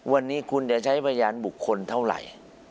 วันนี้คุณจะใช้พยานบุคคลเท่าไหร่